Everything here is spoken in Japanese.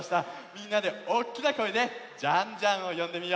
みんなでおっきなこえでジャンジャンをよんでみよう。